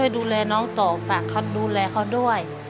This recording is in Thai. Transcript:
ดูแลน้องต่อฝากเขาดูแลเขาด้วย